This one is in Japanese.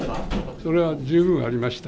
それは十分にありました。